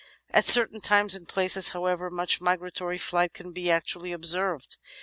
At certain times and places, however, much migratory flight can be actually observed.